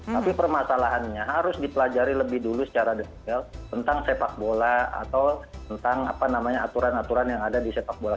tapi permasalahannya harus dipelajari lebih dulu secara detail tentang sepak bola atau tentang apa namanya aturan aturan yang ada di sepak bola